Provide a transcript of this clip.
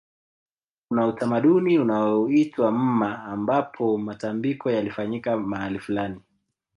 Kuna utamaduni unaoitwa mma ambapo matambiko yalifanyika mahali fulani